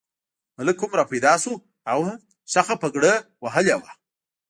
ملک هم را پیدا شو، هغه هم شخه پګړۍ وهلې وه.